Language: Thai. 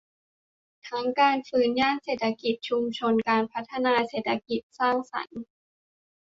ทั้งการฟื้นย่านเศรษฐกิจชุมชน การพัฒนาเศรษฐกิจสร้างสรรค์